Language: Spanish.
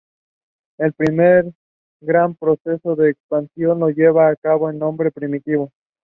El primer gran proceso de expansión lo lleva a cabo el hombre primitivo.